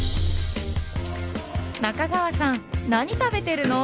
中川さん何食べてるの？